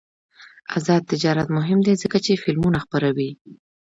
آزاد تجارت مهم دی ځکه چې فلمونه خپروي.